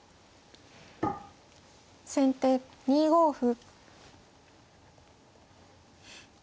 先手２五歩。